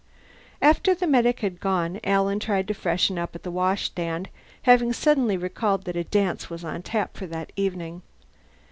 After the medic had gone, Alan tried to freshen up at the washstand, having suddenly recalled that a dance was on tap for this evening.